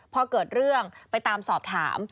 พอเกิดเรื่องไปตามสอบถาม